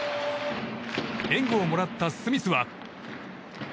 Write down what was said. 援護をもらったスミスは。